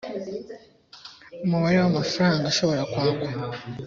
umubare w amafaranga ashobora kwakwa